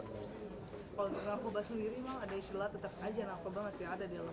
kalau narkoba sendiri memang ada istilah tetap aja narkoba masih ada di dalam